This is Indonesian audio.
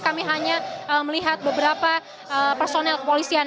kami hanya melihat beberapa personel kepolisian